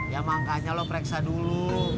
ya makanya lo pereksa dulu